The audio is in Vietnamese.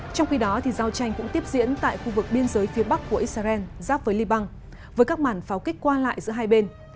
trong khi đó giao tranh cũng tiếp diễn tại khu vực biên giới phía bắc của israel giáp với liban với các màn pháo kích qua lại giữa hai bên